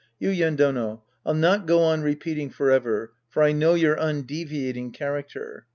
Yuien Done, I'll not go on repeating forever. For I know your undeviating character.